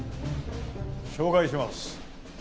紹介します。